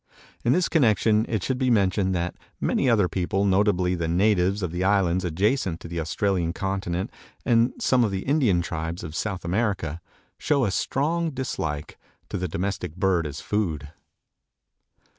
In this connection it should be mentioned that many other people, notably the natives of the islands adjacent to the Australian continent and some of the Indian tribes of South America, show a strong dislike to this domestic bird as a food.